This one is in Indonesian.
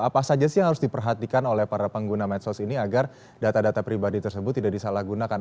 apa saja sih yang harus diperhatikan oleh para pengguna medsos ini agar data data pribadi tersebut tidak disalahgunakan